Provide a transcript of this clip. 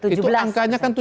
itu angkanya kan tujuh belas